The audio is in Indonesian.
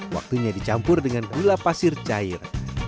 waktunya dicampur dengan gula pasir cair